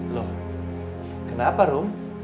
loh kenapa rum